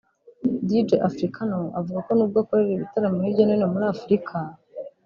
Dj Africano avuga ko nubwo akorera ibitaramo hirya no hino muri Afurika